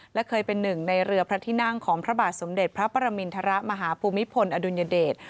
และเคยเป็นหนึ่งในเรือพระที่นั่งของพระบาทสมเด็จพระประมินทรมาฮภูมิพลอดุลยเดช